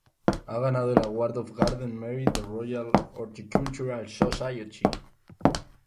Ha ganado el Award of Garden Merit de Royal Horticultural Society.